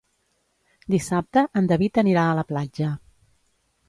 Dissabte en David anirà a la platja.